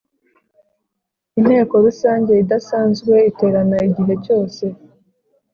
Inteko Rusange idasanzwe iterana igihe cyose